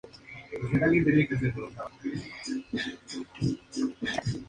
Estando la mayor diversidad en China, donde hay cuatro especies.